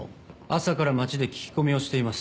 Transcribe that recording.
朝から街で聞き込みをしています。